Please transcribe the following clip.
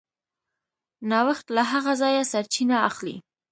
نوښت له هغه ځایه سرچینه اخلي.